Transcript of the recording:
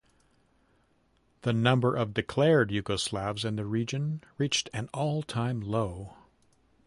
The number of declared Yugoslavs in the region reached an all-time low.